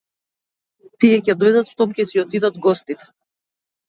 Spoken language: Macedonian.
Тие ќе дојдат штом ќе си отидат гостите.